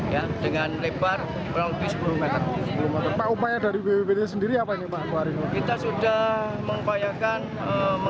jalan longsor yang tersebut terkait dengan jalan utama